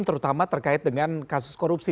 terutama terkait dengan kasus korupsi